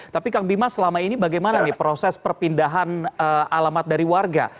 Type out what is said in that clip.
tapi kang bima selama ini bagaimana nih proses perpindahan alamat dari warga